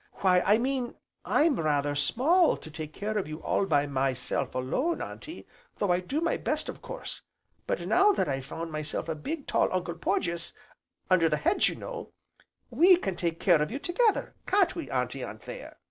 "Why I mean I'm rather small to take care of you all by myself alone, Auntie, though I do my best of course. But now that I've found myself a big, tall Uncle Porges, under the hedge, you know, we can take care of you together, can't we, Auntie Anthea?"